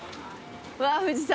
わあ富士山。